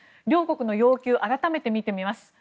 両国の要求を改めて見てみます。